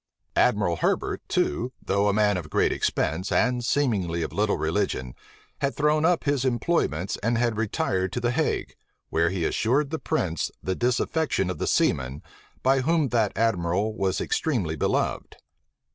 Admiral Herbert too, though a man of great expense, and seemingly of little religion, had thrown up his employments, and had retired to the Hague, where he assured the prince of the disaffection of the seamen, by whom that admiral was extremely beloved.